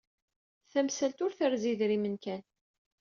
Tamsalt ur terzi idrimen kan.